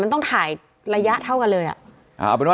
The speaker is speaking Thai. มันต้องถ่ายระยะเท่ากันเลยอ่ะ